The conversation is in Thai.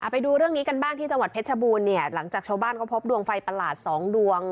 ไปดูเรื่องนี้กันบ้างที่จังหวัดเพชรบูรณ์เนี่ยหลังจากชาวบ้านเขาพบดวงไฟประหลาดสองดวง